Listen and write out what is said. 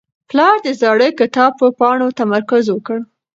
پلار د زاړه کتاب په پاڼو تمرکز وکړ.